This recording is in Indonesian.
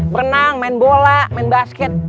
berenang main bola main basket